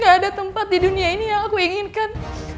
ada tempat di dunia ini yang aku inginkan